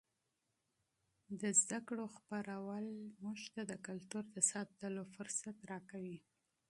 د علم ترویج موږ ته د کلتور د ساتلو چانس ورکوي.